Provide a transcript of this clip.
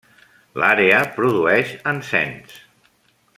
L'àrea produeix encens.